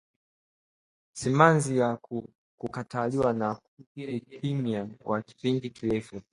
Simanzi na kutawaliwa na ukimya wa kipindi kirefu